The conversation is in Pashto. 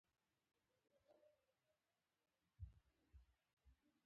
عادي قوانین له اساسي قوانینو سره په مطابقت کې وڅېړي.